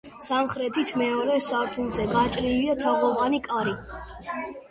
სამხრეთით, მეორე სართულზე გაჭრილია თაღოვანი კარი.